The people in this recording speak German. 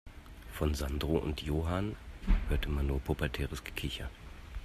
Von Sandro und Johann hörte man nur pubertäres Gekicher.